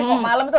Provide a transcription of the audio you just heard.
pukul malem tuh